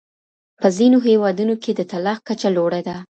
په ځینو هېوادونو کې د طلاق کچه لوړه ده.